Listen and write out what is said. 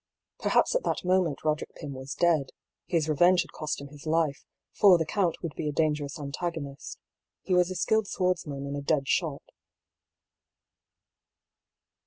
Per haps at that moment Boderick Pym was dead, his revenge had cost him his life ; for the count would be a dangerous antagonist, he was a skilled swordsman and a dead shot.